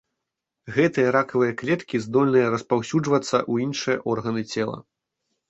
Гэтыя ракавыя клеткі здольныя распаўсюджвацца ў іншыя органы цела.